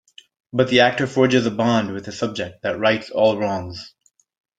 But the actor forges a bond with his subject that rights all wrongs.